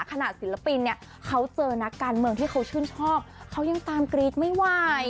ศิลปินเนี่ยเขาเจอนักการเมืองที่เขาชื่นชอบเขายังตามกรี๊ดไม่ไหว